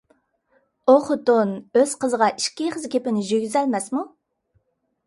ئۇ خوتۇن ئۆز قىزىغا ئىككى ئېغىز گېپىنى يېگۈزەلمەسمۇ؟